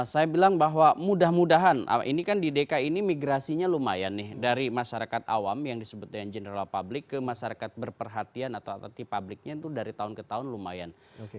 saya bilang bahwa mudah mudahan ini kan di dki ini migrasinya lumayan nih dari masyarakat awam yang disebutnya general public ke masyarakat berperhatian atau di publiknya itu dari tahun ke tahun lumayan